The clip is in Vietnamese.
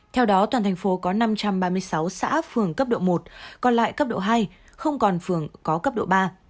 theo đó toàn thành phố có năm trăm ba mươi sáu xã phường cấp độ một còn lại cấp độ hai không còn phường có cấp độ ba